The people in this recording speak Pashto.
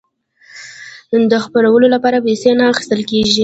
د خپرولو لپاره پیسې نه اخیستل کیږي.